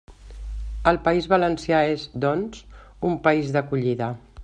El País Valencià és, doncs, un país d'acollida.